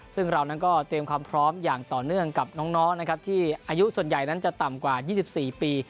ซึ่งเรานั้นก็เตรียมความพร้อมอย่างต่อเนื่องกับน้องนะครับที่อายุส่วนใหญ่นั้นจะต่ำกว่า๒๔ปี